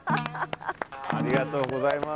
ありがとうございます。